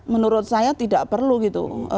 menurut saya tidak perlu gitu